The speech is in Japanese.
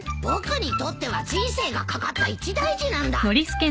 僕にとっては人生がかかった一大事なんだ！